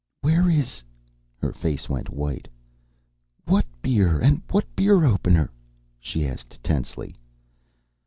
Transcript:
"Where is " Her face went white. "What beer and what beer opener?" she asked tensely.